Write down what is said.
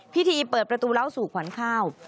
พิธีเปิดประตูเล่าสู่ขวัญข้าว